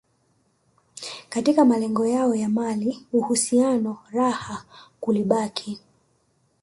katika malengo yao ya mali uhusiano raha kulibaki